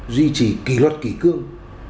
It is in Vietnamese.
duy trì kỳ luật kỳ cương